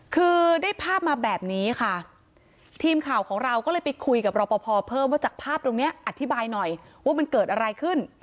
คือได้ภาพมาแบบนี้ค่ะทีมข่าวของเราก็เลยไปคุยกับรอปภเพิ่มว่าจากภาพตรงนี้อธิบายหน่อยว่ามันเกิดอะไรขึ้น